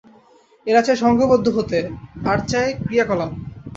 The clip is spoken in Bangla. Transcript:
এরা চায় সঙ্ঘবদ্ধ হতে, আর চায় ক্রিয়াকলাপ।